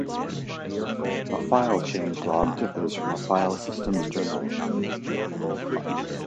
A file change log differs from a file system's journal.